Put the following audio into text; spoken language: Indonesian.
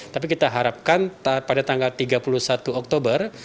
tapi kita harapkan pada tanggal tiga puluh satu oktober